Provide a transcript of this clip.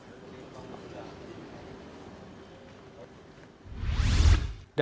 dpr ri dari sembilan orang tersebut ada